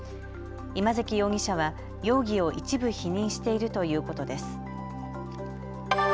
今関容疑者は容疑を一部否認しているということです。